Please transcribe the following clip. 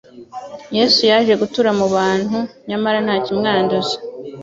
Yesu yaje gutura mu bantu, nyamara nta kimwanduza.